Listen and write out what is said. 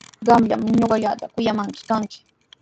Qamllami ñuqallata kuyamaqnii kanki.